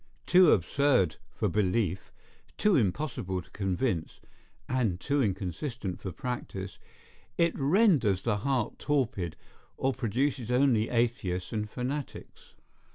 Too absurd for belief, too impossible to convince, and too inconsistent for practice, it renders the heart torpid, or produces only atheists and fanatics.